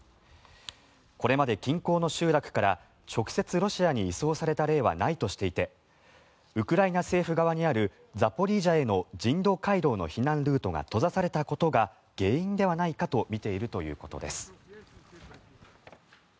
これまで近郊の集落から直接ロシアに移送された例はないとしていてウクライナ政府側にあるザポリージャへの人道回廊の避難ルートが閉ざされたことが原因ではないかとみているということです。